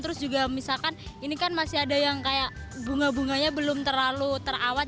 terus juga misalkan ini kan masih ada yang kayak bunga bunganya belum terlalu terawat